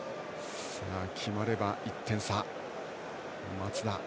決まれば１点差、松田。